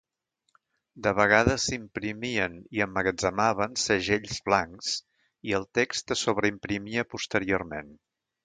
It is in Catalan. De vegades s'imprimien i emmagatzemaven segells blancs i el text es sobreimprimia posteriorment.